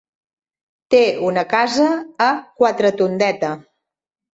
Té una casa a Quatretondeta.